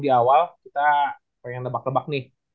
di awal kita pengen lebak lebak nih